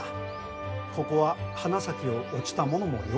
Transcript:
ここは花咲を落ちた者もよ